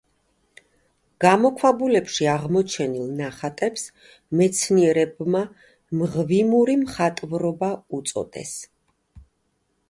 გამოქვაბულებში აღმოჩენილ ნახატებს მეცნიერებმა მღვიმური მხატვრობა უწოდეს.